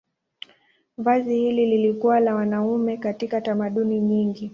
Vazi hili lilikuwa la wanaume katika tamaduni nyingi.